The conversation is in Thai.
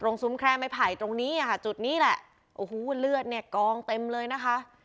ซุ้มแคร่ไม้ไผ่ตรงนี้อ่ะค่ะจุดนี้แหละโอ้โหเลือดเนี่ยกองเต็มเลยนะคะ